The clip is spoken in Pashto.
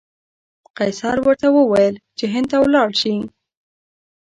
قیصر ورته وویل چې هند ته ولاړ شي.